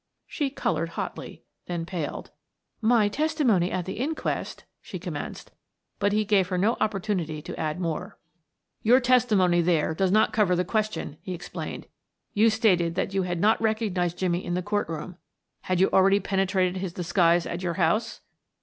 She colored hotly, then paled. "My testimony at the inquest," she commenced, but he gave her no opportunity to add more. "Your testimony there does not cover the question," he explained. "You stated then that you had not recognized Jimmie in the court room. Had you already penetrated his disguise at your house?"